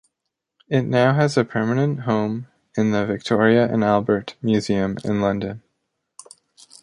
It now has a permanent home in the Victoria and Albert Museum in London.